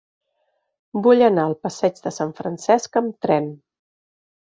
Vull anar al passeig de Sant Francesc amb tren.